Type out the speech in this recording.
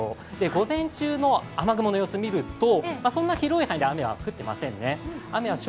午前中の雨雲の様子見るとそんな広い範囲で雨は降っていませんね。